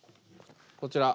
こちら。